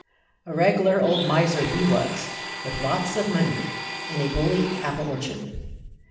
A reg'lar old miser he was, with lots of money, and a bully apple orchard.